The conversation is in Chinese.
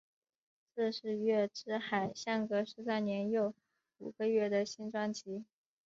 这是月之海相隔十三年又五个月的新专辑。